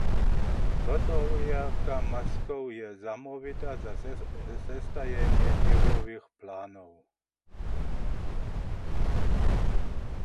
Zhotowjerka maskow je zamołwita za zestajenje dźěłowych planow.